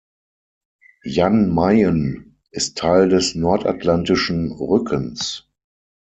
Jan Mayen ist Teil des Nordatlantischen Rückens.